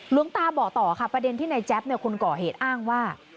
หลวงตาบอกต่อค่ะประเด็นที่ในแจ๊บคนก่อเหตุอ้างว่า